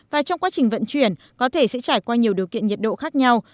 và trong quá trình vận chuyển có thể sẽ trải qua nhiều điều kiện nhiệt độ khác nhau